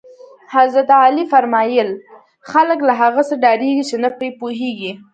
حضرت علی فرمایل: خلک له هغه څه ډارېږي چې نه پرې پوهېږي.